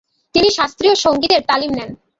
তিনি শাস্ত্রীয় সংগীতের তালিম নেন।